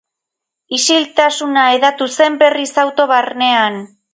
Isiltasuna hedatu zen berriz auto barnean.